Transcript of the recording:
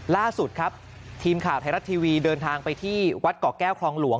ล่าสุดครับทีมข่าวไทยรัฐทีวีเดินทางไปที่วัดเกาะแก้วคลองหลวง